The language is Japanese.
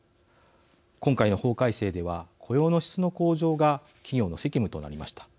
今回の法改正では雇用の質の向上が企業の責務となりました。